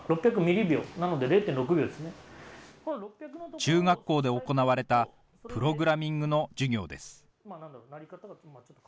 中学校で行われたプログラミングの授業です。